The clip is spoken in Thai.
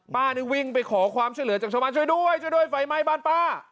นี่วิ่งไปขอความช่วยเหลือจากชาวบ้านช่วยด้วยช่วยด้วยไฟไหม้บ้านป้า